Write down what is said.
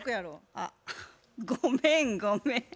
あっごめんごめん。